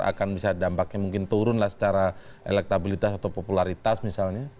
akan bisa dampaknya mungkin turun lah secara elektabilitas atau popularitas misalnya